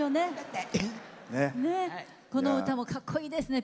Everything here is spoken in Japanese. この歌はかっこいいですね。